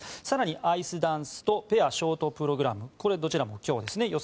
更にアイスダンスとペアショートプログラムどちらも今日ですね。